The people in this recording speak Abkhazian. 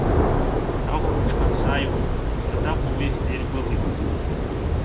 Ахәымҽхан сааиуеит, Баҭаҟәа уи диргәыӷит.